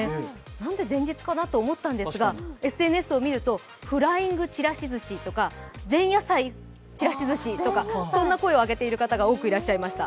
なんで前日かなと思ったんですが、ＳＮＳを見ると、フライングちらし寿司とか、前夜祭ちらし寿司という声を上げている方が多くいらっしゃいました。